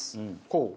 こう？